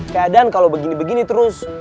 kadang kalau begini begini terus